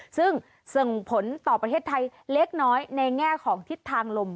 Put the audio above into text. ซึ่งส่งผลต่อประเทศไทยเล็กน้อยในแง่ของทิศทางลม